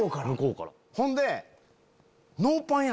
ほんで。